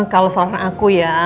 kalau saran aku ya